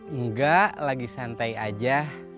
enggak lagi santai aja